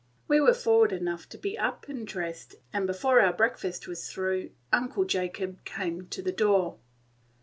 We were forward enough to be up and dressed, and before our breakfast was through, Uncle Jacob came to the door.